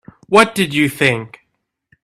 What did you think?